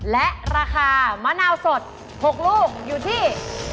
และราคามะนาวสด๖ลูกอยู่ที่